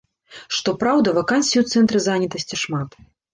Што праўда, вакансій у цэнтры занятасці шмат.